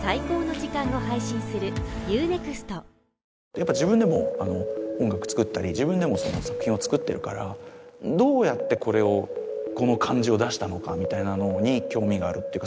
やっぱ自分でも音楽作ったり自分でも作品を作ってるからどうやってこれをこの感じを出したのかみたいなのに興味があるっていうか